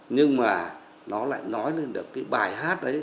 nhưng mà nó lại nói lên được cái bài hát đấy